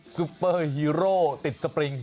ซุปเปอร์ฮีโร่ติดสปริง